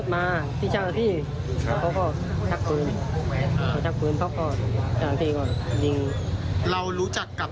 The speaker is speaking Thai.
ไม่มีนะครับ